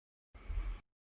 Ad d-siwlen.